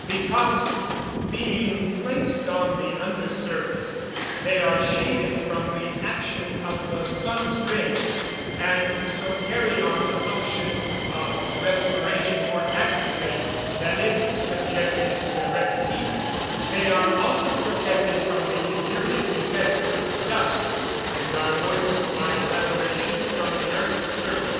_ Because, being placed on the under surface, they are shaded from the action of the sun's rays, and so carry on the function of respiration more actively than if subjected to direct heat; they are also protected from the injurious effects of dust; and are moistened by evaporation from the earth's surface.